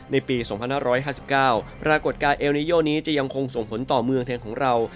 ในปี๒๕๕๙ปรากฏการณ์เอลนิโยนี้จะยังคงส่งผลต่อเมืองไทยของเรา